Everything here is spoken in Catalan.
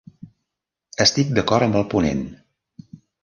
Estic d'acord amb el ponent.